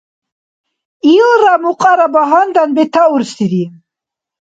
Илра мукьара багьандан бетаурсири.